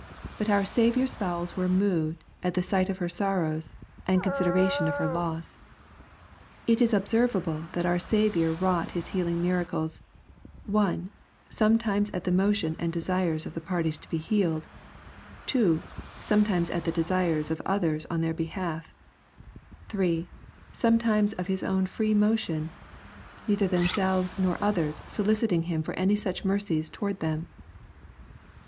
But our Saviour's bowels were moved at the sight of her sorrows, and consideration of her loss. It is observable that our Saviour wrought His healing miracles : 1, sometimes at the motion and desire of the parties to be healed ; 2, sometimes at the desire of others on their behalf; 3, sometimes of His own free motion, neither themselves nor others soliciting Him for any such mercies toward them."